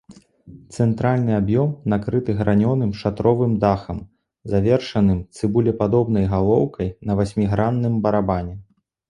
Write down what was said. Цэнтральны аб'ём накрыты гранёным шатровым дахам, завершаным цыбулепадобнай галоўкай на васьмігранным барабане.